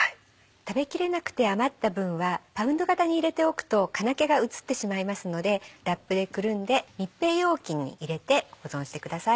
食べきれなくて余った分はパウンド型に入れておくと金気が移ってしまいますのでラップでくるんで密閉容器に入れて保存してください。